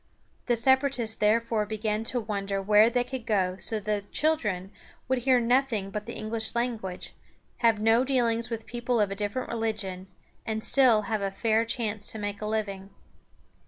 The Separatists therefore began to wonder where they could go so their children would hear nothing but the English language, have no dealings with people of a different religion, and still have a fair chance to make a living.